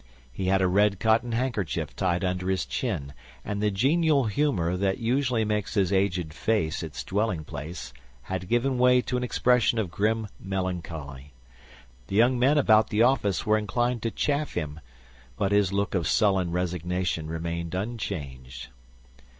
He had a red cotton handkerchief tied under his chin, and the genial humor that usually makes his aged face its dwelling place had given way to an expression of grim melancholy. The young men about the office were inclined to chaff him, but his look of sullen resignation remained unchanged.